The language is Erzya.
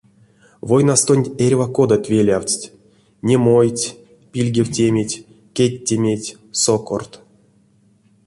Войнастонть эрьва кодат велявтсть — немойть, пильгевтеметь, кедтеметь, сокорт.